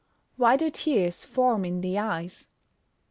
_Why do tears form in the eyes?